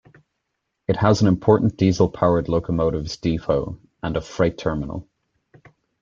It has an important diesel-powered locomotives depot and a freight terminal.